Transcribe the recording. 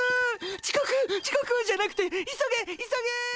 ちこくちこくじゃなくて急げ急げ！